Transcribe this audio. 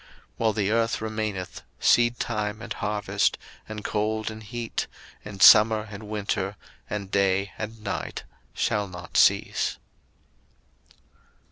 01:008:022 While the earth remaineth, seedtime and harvest, and cold and heat, and summer and winter, and day and night shall not cease.